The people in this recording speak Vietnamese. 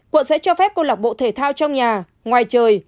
quận sẽ cho phép cô lạc bộ thể thao trong nhà ngoài trời